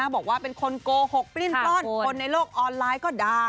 บอกว่าเป็นคนโกหกปลิ้นปล้นคนในโลกออนไลน์ก็ด่า